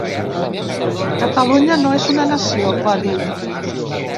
Catalunya no és una nació, va dir.